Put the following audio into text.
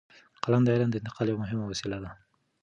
قلم د علم د انتقال یوه مهمه وسیله ده.